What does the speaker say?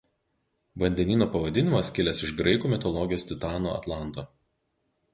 Vandenyno pavadinimas kilęs iš graikų mitologijos titano Atlanto.